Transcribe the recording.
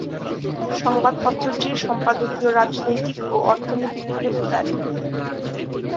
সংবাদপত্রটির সম্পাদকীয় রাজনৈতিক ও অর্থনৈতিকভাবে উদার।